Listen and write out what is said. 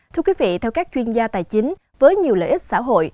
thưa quý vị theo các chuyên gia tài chính với nhiều lợi ích xã hội